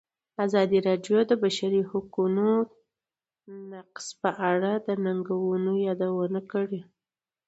ازادي راډیو د د بشري حقونو نقض په اړه د ننګونو یادونه کړې.